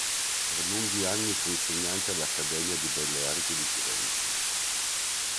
Per lunghi anni fu insegnante all'Accademia di Belle Arti di Firenze.